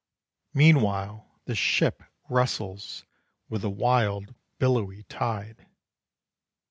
Meanwhile the ship wrestles With the wild billowy tide.